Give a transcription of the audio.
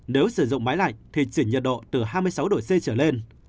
nếu sử dụng máy lạnh thì chuyển nhiệt độ từ hai mươi sáu độ c trở lên